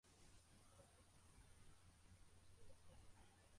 Umugore wambaye ikoti ryijimye afite ikamba rinini kumutwe avuga kuri terefone ngendanwa